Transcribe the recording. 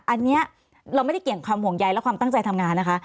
อันนี้เราไม่ได้เกี่ยงความห่วงใยและความตั้งใจทำงานนะคะ